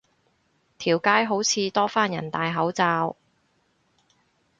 條街好似多返人戴口罩